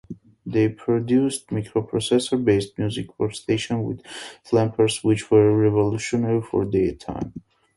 They produced microprocessor-based music workstation with samplers which were revolutionary for their time.